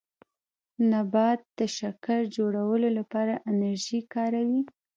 نبات د شکر جوړولو لپاره انرژي کاروي